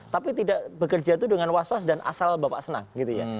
tapi tidak bekerja itu dengan was was dan asal bapak senang gitu ya